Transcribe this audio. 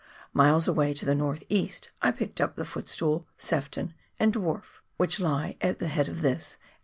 Miles away to the north east I picked up the Footstool, Sefton, and Dwarf, which lie at the head of this and the ^/^TH!.